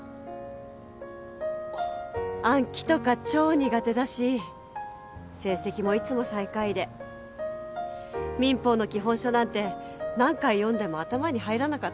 暗記とか超苦手だし成績もいつも最下位で民法の基本書なんて何回読んでも頭に入らなかった。